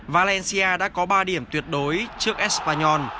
valencia đã có ba điểm tuyệt đối trước espanyol